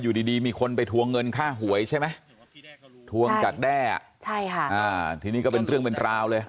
อยู่ดีมีคนไปทวงเงินค่าหวยใช่ไหมทวงกับแด้ที่นี่ก็เป็นเรื่องเป็นกราวเลย